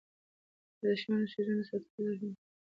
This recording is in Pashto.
د ارزښتمنو څیزونو د ساتلو ځای هم و.